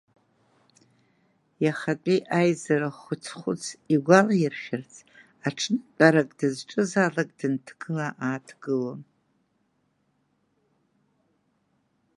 Иахатәи аизара хәыц-хәыц игәалаиршәарц, аҽнынтәарак дызҿызаалак дынҭгыла-ааҭгылон.